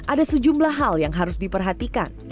ada sejumlah hal yang harus diperhatikan